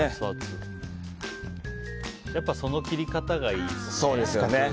やっぱその切り方がいいですね。